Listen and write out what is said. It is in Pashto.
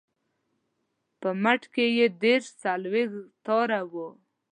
په مټ کې یې دېرش څلویښت تاره وه.